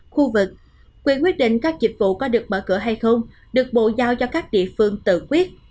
khu vực quyền quyết định các dịch vụ có được mở cửa hay không được bộ giao cho các địa phương tự quyết